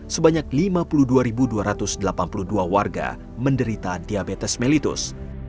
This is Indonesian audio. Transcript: sebanyak lima puluh dua dua ratus delapan puluh dua warga menderita diabetes mellitus